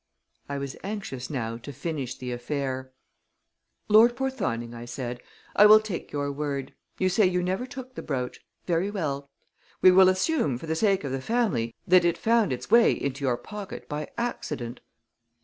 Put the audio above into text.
I was anxious now to finish the affair. "Lord Porthoning," I said, "I will take your word. You say you never took the brooch. Very well; we will assume, for the sake of the family, that it found its way into your pocket by accident."